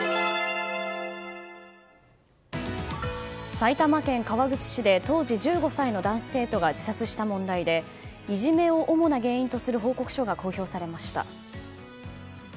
埼玉県川口市で当時１５歳の男子生徒が自殺した問題でいじめを主な原因とする報告書が公表されました。